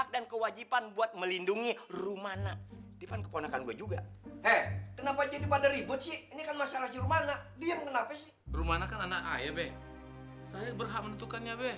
b saya berhak menentukannya b